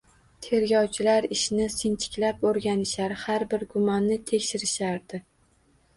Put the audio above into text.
Tergovchilar ishni sinchiklab o`rganishar, har bir gumonni tekshirishardi